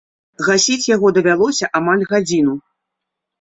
Гасіць яго давялося амаль гадзіну.